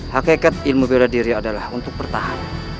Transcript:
hakikat ilmu bela diri adalah untuk bertahan